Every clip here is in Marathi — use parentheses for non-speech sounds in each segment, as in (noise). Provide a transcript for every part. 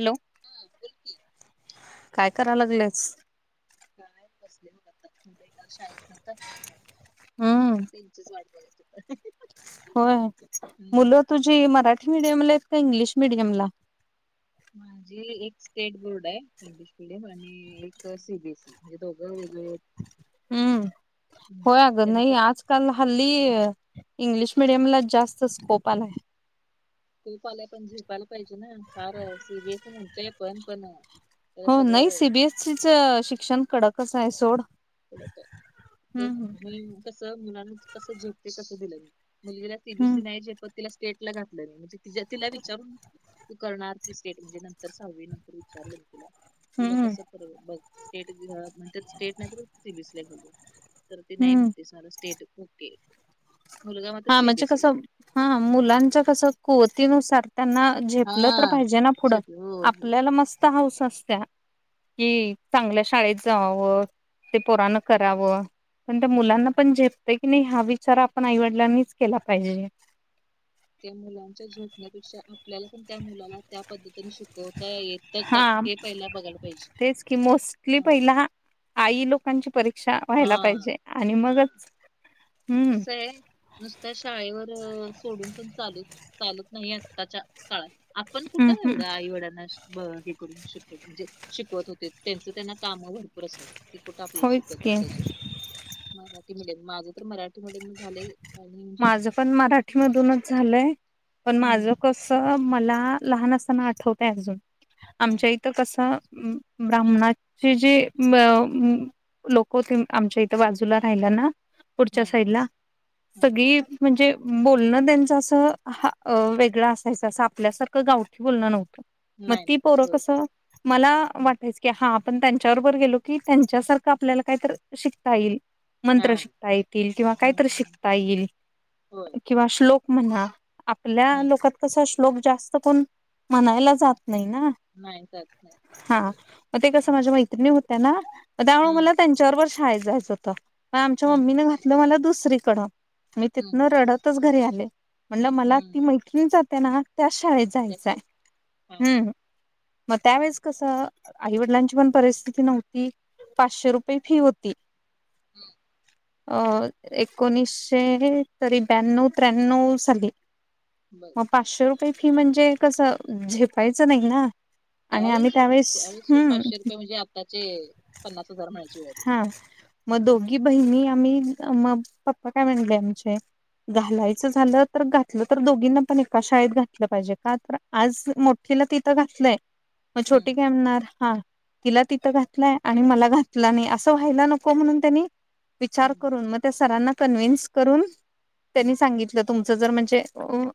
हॅलो. हा बोलकी. काय कराय लागल्यास? काय नाही बसले मग आता मुल शाळेत नाता हम्म त्यांचेच वा हो (unintelligible) होय, मुलं तुझी मराठी मिडियमला आहेत का इंग्लिश मिडियमला? माझी एक स्टेट बोर्ड आहे इंग्लिश मिडियम आणि एक सी बी एस ई. हे दोघं वेगवेगळे हम्म होय अगं त्यांना नाही क आज काल हल्ली इंग्लिश मिडियम ला जास्त स्कोप आलाय. प आलाय पण झेपायला पाहिजे ना फार सी बी एस सी म्हणतोय पण पण. हो नाही सी बी सगळं एस सी च शिक्षण कडकच आहे सोड. ते हम्म कस मुलाना कस झेपते कसं दिलं मुलगीला सीबीसी हम्म नाही झेपत तिला स्टेट ला घातलं नाही म्हणजे ति तिला विचारून तू करणार ती स्टेट म्हणजे नंतर सहावी नंतर विचारले मी तीला. तुला हम्म कसं बघ स्टेट म्हण स्टेट नाही तर सीबीस बघू. तर ती नाही हम्म म्हगते सार स्टेट, ओके. मुलगा मात्र हा म्हणजे कस सीबीएसईला आहे. हा मुलांच्या कस कुवतीनुसार त्यांना झेपलं तर हा. पाहिजे ना पुढं? झेपलं हो हो. आपल्याला मस्त हाऊस असत्या. कि चांगल्या शाळेत जावावं ते पोरान करावं पण मुलांना पण झेपतय की नाही हा विचार आपण आईव लाणी च केला पाहिजे. त्या मुलांच्या झेपण्यापेक्षा आपल्याला पण त्या मुलाला त्या पद्धतीने शिकवता येत का हा हे पहिला बघायला पाहिजे तेच की मोस्टली ह. पहिला आई लोकांची परीक्षा व्हायला हा पाहिजे आणि मगच. हम्म कसंय. नुसत्या शाळेवर सोडून पण चालू चालत नाही आत्ताच्या काळात. आपण हम्म कुठं हम्म एवढं आई वडाना- हे करून शिके म्हणजे शिकवत होते. त्यांच त्यांना कामं भरपूर असायचे. ती कुठं आपल्याला होयच शिकत की बसायची? मराठी मिडी माझं तर मराठी- (unintelligible) झाले आणि - माझ पण मराठीमधूनच झालंय. पण माझ कस- हं, कस मला लहान असताना आठवतय अजून. हं, आमच्या इ- थे कस ब्राह्मणाचे जे अ- लोक होते आमच्या इथं बाजूला राहिला ना? पुढच्या हं, साईड ला. हं. सगळी म्हणजे बोलणं त्यांच असं हा वेगळं असायचं. असं आपल्यासारखं- गावठी बोलणं नव्हत. मग नाही, ती नाही. पोर होय. कस? मला हं. वाटायचं- की हा आपण त्यांच्याबरोबर गेलो की त्यांच्यासारखं आपल्याला काहीतरी शिकता येईल. मंत्र हां. शिकता येतील किंवा हं, कायतरी हं. शिकता येईल. होय. किंवा श्लोक म्हणा. आपल्या हं. लोकात- कसा श्लोक जास्त कोण म्हणायला जात नाही ना? नाही जात नाही. हा. मग ते कसं हं, माझ्या मैत्री - णी होत्या ना? त्यामुळे हं, मला त्यांच्याबरोबर शाळेत जायचं होतं. म आमच्या हं, हं. मम्मीने- मला दुसरीकडं. मी हं, तिथनं हं. रडतच घरी आले. म्हणलं मला ती हं. मैथी ली जाते ना? त्याच शाळेत जायचंय. त्याच्यात हां. हम्म. मग त्यावेेळेस कसं? आई वडिलांची पण परिस्थिती नव्हती. पाचशे हं, रुपये फी होती. हं. अ. एकोणीस- तरी ब्याण्णव त्र्याण्णव साली. बर. मग पाचशे रुपये फी म्हणजे कसं? झेपायचं नाही ना. आणि आम्ही त्यावेळीचे त्यावेळेस त्यावेळेचे हम्म पाचशे रुपये म्हणजे आताचे पन्नास हजार म्हणाय- हा. मग दोघी बहिणी आम्ही. मग पप्पा काय म्हणले आमचे- घालायचं झालं तर, घातलं तर दोघींना पण एका शाळेत घातलं पाहिजे. का? तर आज मोठ- ठीला तिथं घातलंय. मग छोटी काय म्हणणार हा. तिला तिथं घातलंय आणि मला घात- ल नाही अस व्हायला नको म्हणून त्यांनी विचार हम्म, करून मग त्या सरांना कन्व्हिन्स करून- त्यांनी हम्म, सांगितलं- तुमचं जर म्हणजे,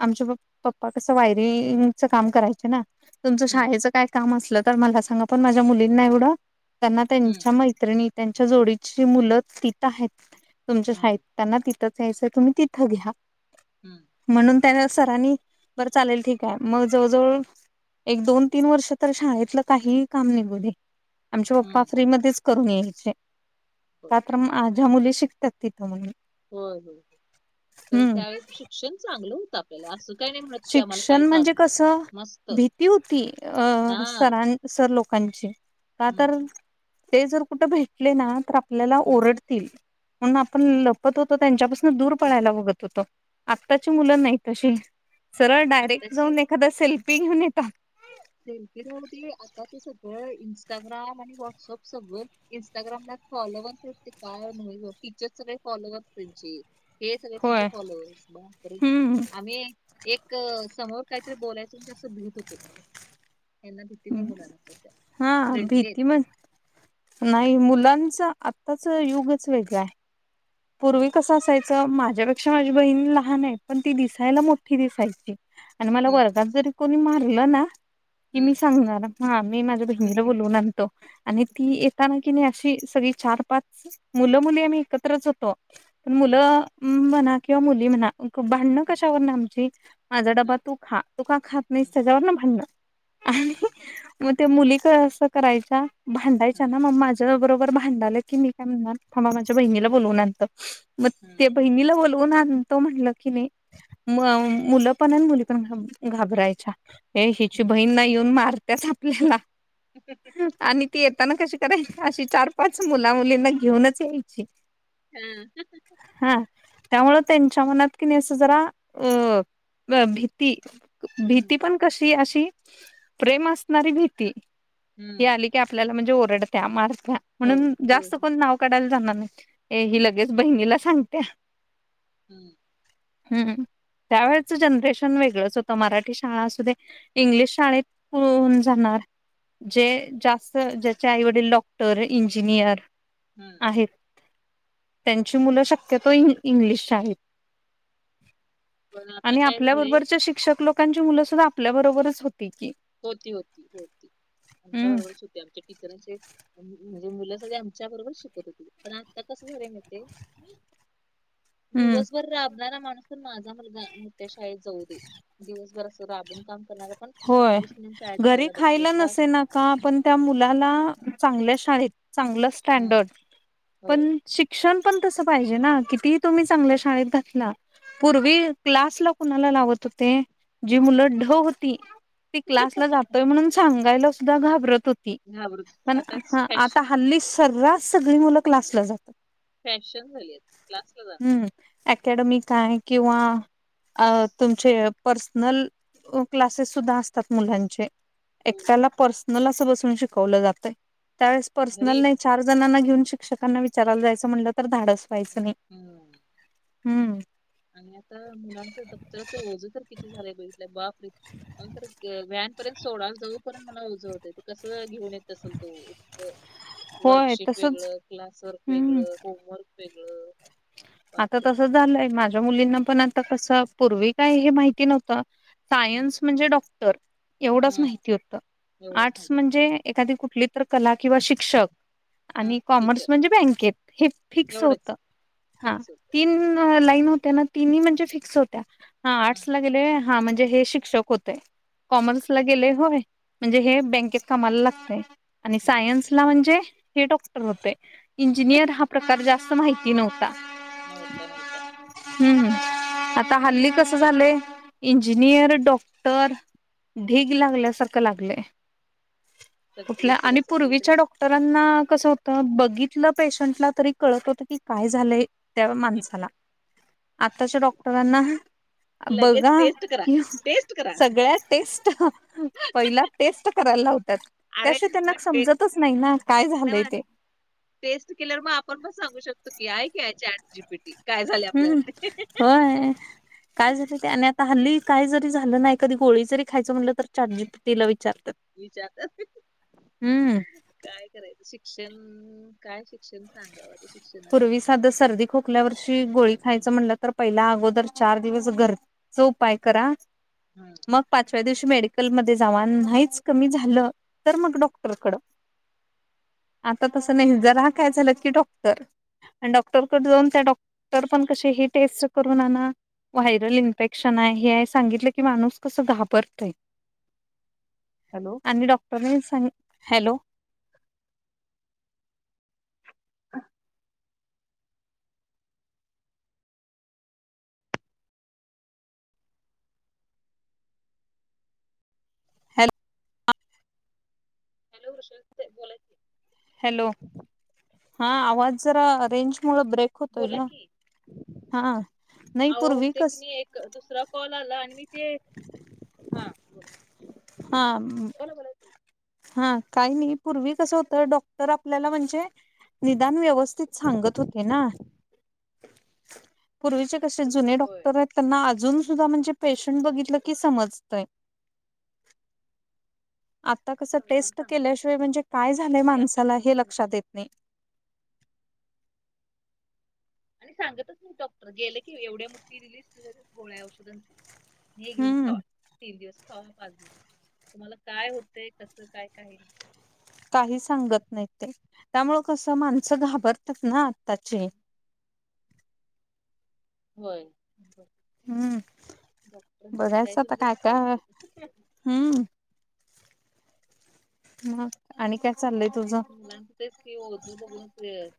आमचे पप्पा कसं वायरिंगच काम करायचे ना? तुमचं हम्म, शाळेचं काय काम असलं तर मला सांगा. पण माझ्या मुलींना एवढं त्यांना ते - हम्म, मैत्रिणी त्यांच्या जोडीची मुलं तिथ आहेत. तुमच्या शाळेत हम्म, त्यांना - तिथं जायचं तर तिथं घ्या. हम्म. म्हणून त्यावेळेस सरांनी बरं चालेल ठीक आहे. मग जवळजवळ- एक दोन तीन वर्ष तर शाळेतलं काहीही काम निघू दे - आमचे पप्पा हम्म. फ्री मधेच करून यायचे. का? होय तर- ह्या मुली शिकतात तिथं म्हणून. हो हो हो. पण हम्म त्यावेळी शिक्षण चांगलं होतं आपल्याला. असं काही नाही म्ह- शिक्षण म्हणजे कसं? भीती होती. अ हा सरां- सर लोकांची. का तर? ते जर कुठं भेटले ना तर आपल्याला ओरड- तील. म्हणून आपण लपत होतो त्यांच्यापासून दूर पळायला बघत होतो. आत्ताची मुलं नाहीत- तशी. सरळ डायरेक्ट आत्ताची जाऊन एखादा सेल्फी घेऊन येतात. सेल्फी (unintelligible) आता ते सगळं इंस्टाग्राम आणि व्हॉट्सअप सगळं- इन्स्टाग्रामला फॉलोवर्स ते काय? टीचर्स सगळे फॉलोवर्स त्यांचे. हे सगळे त्यांचे होय फॉलोअर्स बापरे! हम्म आम्ही- एक समोर काहीतरी बोलायच (unintelligible) होतो. यांना भीती नाही मुलांना त्याच्या हा. फ्रेंडली आहेत भीती म- नाही मुलांच आत्ताच युगच वेगळ आहे पूर्वी हम्म, कसं असायचं. माझ्यापेक्षा माझी बहीण लहान आहे पण ती दिसायला मोठी दिसायची. आणि मला हम्म, वर्गात जरी कोणी मारलं ना कि मी सांगणार हा मी माझ्या हम्म, बहिणीला बोलवून आणतो. आणि ती येताना कि नाही अशी सगळी चार पाच मुलं मुली आम्ही एकत्रच होतो. पण हम्म, मुलं म्हणा किंवा मुली म्हणा. भांडणं हम्म, कशावर ना आमची माझा डबा हम्म, तू खा. तू का खात नाहीस त्याच्यावर ना भांडणं आणि हम्म, मग ते मुलीक असं करायच्या भांडायचा हम्म, ना मग माझ्या बरोबर भांडालं की मी काय म्हणणार म माझ्या बहिणीला बोलवून आण. म हम् ते बहिणीला बोलवून आणत म्हणलं की नाही. म मुलं पण आणि मुली पण घाबरायच्या. हे हिची हम्म. बहीणना येऊन मारतच आपल्याला आणि ती येताना कशी करायची अशी चार पाच मुला मुलींना घेऊनच यायची. हम् हा त्यामु त्यांच्या मनात कि नाही असं जरा अ भीती भीती हम्म, पण कशी अशी प्रेम असणारी भीती हम्म, ह आली. आपल्याला म्हणजे ओरडत्या मारत्या होय म्हणून होय जास्त कोण नाव काढायला जाणार नाही ए हिल गेच बहिणीला सांगत्या. हम्म हम्म त्यावेळेच जनरेशन वेगळंच होतं मराठी शाळा अस दे. इंग्लिश शाळेतन जाणार. जे जास्त ज्याचे आईवडील डॉक्टर इंजिनियर हम्म आहेत त्यांची मुलं शक्यतो इंग्लिश आहेत. पण आता आणि काय झाले आपल्याबरोबरच्या शिक्षक लोकांची मुलं सुद्धा आपल्या बरोबरच होती की होती होती होती आमच्या हम्म बरोबरच होती आमची इतर म्हणजे मुलं सगळे आमच्या बरोबर शिकत होती पण आता कसं झाले. हम्म दिवसभर राबणारा माणूस तर माझा मुलगा्या शाळेत जाऊ दे दिवसभर अस राबून काम करणार. होय घरी खायला का नसे ना का आपण त्या मुलाला चांगल्या शाळेत चांगलं हम्म स्टँडर्ड होय पण शिक्षण पण तसं पाहिजे ना किती तुम्ही चांगल्या शाळेत घातला. पूर्वी क्लास ला कुणाला लावत होते जी मुलं ढ होती. त क्लासला जातोय म्हणून सांगायला सुद्धा घाबरत होती घाबरत पण फॅश आता हल्ली सरास सगळी मुलं कलासला जातात. फॅशन झाली आहेत क्लासला जा. हम्म अकॅडमी काय किंवा तुमचे पर्सनल क्लासेस सुद्धा असतात मुलांचे हो. एकट्याला पर्सनल असं बसून शिकवलं जातय. त्यावेळेस घरी पर्सनल नाही चार जणांना घेऊन शिक्षकांना विचाराला जायचं म्हटलं तर धाडस. पैसे नाही हम्म हम्म आणि आता मुलांचं दप्तराचं ओझं तर किती झालंय ग इतलं बाप रे नंतर व्हॅनपर्यंत सोडळा जवळपर्यंत मला ओझ होत कसं घेऊन येत असेल तो उच होय वर्कशीप तसंच वेगळं क्लासवर्क हम्म वेगळं होमवर्क वेगळं. आता बापरे तसं झालंय माझ्या मुलींना पण आता कसं पूर्वी काय हे माहिती नव्हतं. हम्म सायन्स म्हणजे डॉक्टर एवढंच हम्म माहिती होतं एवढंच आर्टस माहिती म्हणजे एखादी कुठली. तर कला किंवा शिक्षक हम्म आणि कॉमर्स टीचर म्हणजे बँकेत हे फिक्स एवढंच होतं. हा फिक्स होत तिन लाइन होत्या ना तिनही म्हणजे फिक्स होत्या. हा हम्म आटला- गेले हा म्हणजे हे शिक्षक होते हम्म कॉमर्स ला गेले होय. म्हणजे हे बँकेत कामाला लागतेय आणि हम्म सायन्सला म्हणजे हे डॉक्टर होतय. इंजिनियर हा प्रकार जास्त माहिती नव्हता. नवता नवता. हम्म हम् आता हल्ली कसं झालंय इंजिनियर, डॉक्टर ढीग लागल्यासारखं लागलं कुठल्या सगळीकडे आणि सगळीकडे पूर्वीच्या डॉ डॉक्टरांना कस होत बघितलं पेशंटला तरी कळत होत की काय झालंय. त्या हं, माणसाला आताच्या डॉक्टरांना लगेच बघा टेस्ट करा कि टेस्ट करा सगळ्यात टेस्ट पहिला टेस्ट करायला लावतात अरे त्याशीवाय त्यांना मग ते समजतच नाही ना काय झालंय नाही ते टेस्ट किलर मग आपण पण सांगू शकतो की आहे की याचाट जी पीटी हम्म होय काय झालं ते आणा हल्ली काय जरी झालं नाही कधी गोळी जरी खायचं म्हटलं तर- चाट जीपीटीला विचारतात. विचारतात हम्म काय करायचं शिक्षण काय शिक्षण सांगाव ते शिक्षणाच साध सर्दी खोकल्या वर्षी गोळी खायचं म्हणलं तर पहिला अगोदर चार दिवस गर- स उपाय करा. हम् मग पाचव्या दिवशी मेडिकलमध्ये जावा नाहीच कमी झालं तर मग डॉक्टरकडं आता तसं नाही जरा काय झालं की डॉक्- आणि डॉक्टरकडे जाऊन त्या डॉक्टर पण क ह टेस्ट करून आणा व्हायरल इन्फेक्शन आहे हे आहे सांगितलं की माणूस कसं घाबरतय. हॅलो आणि डॉक्टरांनी सांग हॅलो हा हॅलो आ- हॅलो वशला तई बोला- की हॅलो हा आवाज जरा रेंज मुळ ब्रेक- होतोय बोला ग की हा नाही अहो ते पूर्वीकस- कणी एक दुसरा कॉल आला आणि मी ते हा- हा बोला बोला ताई. हा काही नाही पूर्वी कसं होतं डॉक्टर आपल्याला म्हणजे निदान व्यवस्थित सांगत होते ना. पूर्वीचे कसे जुने होय डॉक्टर आहेत त्यांना अजून सुद्धा म्हणजे पेशंट बघितलं की समजतय. आता कसं समजावून टेस्ट सांगतात केल्याशिवाय म्हणजे काय झालंय हे आत्ताचे माणसाला हे डॉक्टर लक्षात येत नाही. आणि सांगतच नाही डॉक्टर गेले की एवढ्या मुठी रिलीज गोळ्या औषधांच- हे घेऊन हम्म खावा तीन दिवस खावा पाच दिवस तुम्हाला काय होतंय कसं काय काही नाही- काही सांगत नाही ते त्यामुळ कसं माणसं घाबरतात ना आत्ताचे होय. हम्म डॉक्टरांची कडक जायच म्हणजे भीती वाटते. हम मग आणि काय चाललंय? तेच तुझं मुलांच तेच की ओज बघूनच-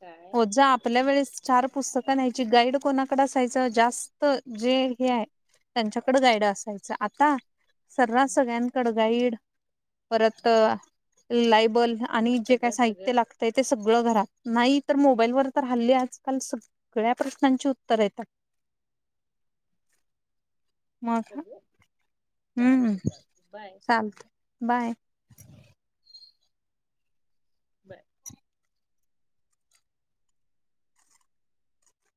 काय ओज चाललंय आपल्या बघा. वेळेस- चार हम्म, पुस्तकं न्यायची गाईड कोणाकडे असायचं जास्त जे हे हाय त्यांच्याकड गाईड असायचं, आता- सरास सगळ्यांकड गाईड परत हम्म. लायबल- आणि जे काय सगळं सगळं साहित्य लागतंय ते सगळं घरात नाही- तर मोबाईलवर तर हल्ली आजकाल सगळ्या प्रश्नांची उत्तर येतात. (unintelligible) मग सगळं हम्म चालते चालते बाय चालत बाय. बाय